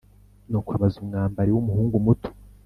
nukw abaza umwambari w'umuhungu muto,